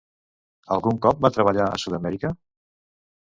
Algun cop va treballar a Sud-amèrica?